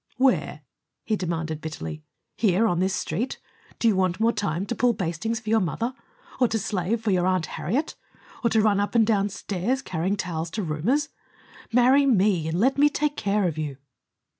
"Where?" he demanded bitterly. "Here on this Street? Do you want more time to pull bastings for your mother? Or to slave for your Aunt Harriet? Or to run up and down stairs, carrying towels to roomers? Marry me and let me take care of you."